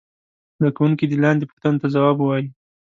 زده کوونکي دې لاندې پوښتنو ته ځواب ووايي.